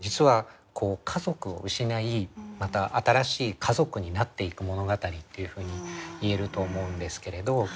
実は家族を失いまた新しい家族になっていく物語というふうに言えると思うんですけれど。